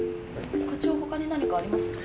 課長他に何かあります？